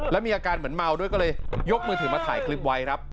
แล้วมีอาการเหมือนเมาด้วยก็เลยยกมือถือมาถ่ายคลิปไว้ครับ